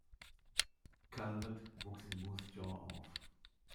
Calvert wuchs in Moose Jaw auf.